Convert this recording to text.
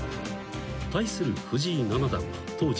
［対する藤井七段は当時２８歳］